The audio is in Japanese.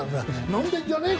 「飲んでるんじゃねえ！